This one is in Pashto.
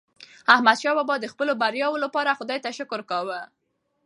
احمدشاه بابا د خپلو بریاوو لپاره خداي ته شکر کاوه.